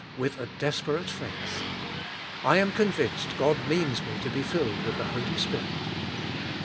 withadesperate faith. I am convinced God means me to be filled with the Holy Spirit.